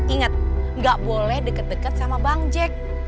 ingat nggak boleh deket deket sama bang jack